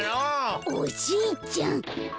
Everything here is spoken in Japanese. おじいちゃん。